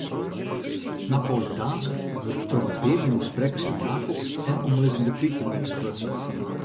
Napolitaansk wurdt troch in pear miljoen sprekkers yn Napels en omlizzende kriten sprutsen.